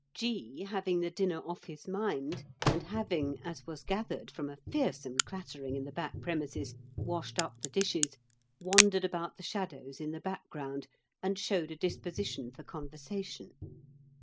G. having the dinner off his mind, and having, as was gathered from a fearsome clattering in the back premises, washed up the dishes, wandered about the shadows in the background and showed a disposition for conversation.